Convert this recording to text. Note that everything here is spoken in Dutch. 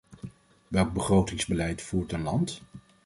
Welk begrotingsbeleid voert een land?